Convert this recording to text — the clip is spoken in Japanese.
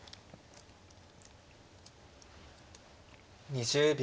２０秒。